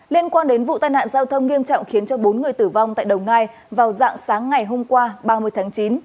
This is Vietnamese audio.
liên quan đến vụ tai nạn giao thông nghiêm trọng khiến cho bốn người tử vong tại đồng nai vào dạng sáng ngày hôm qua ba mươi tháng chín